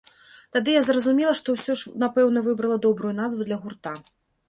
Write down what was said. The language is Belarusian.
Тады я зразумела, што ўсё ж напэўна выбрала добрую назву для гурта.